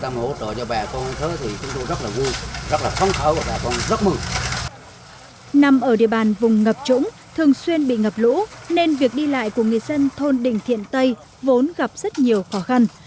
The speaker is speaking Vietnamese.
trong địa bàn vùng ngập trũng thường xuyên bị ngập lũ nên việc đi lại của người dân thôn định thiện tây vốn gặp rất nhiều khó khăn